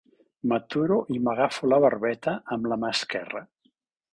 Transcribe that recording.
M'aturo i m'agafo la barbeta amb la mà esquerra.